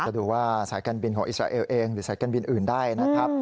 ดูว่าสายการบินของอิสราเอลเองหรือสายการบินอื่นได้นะครับ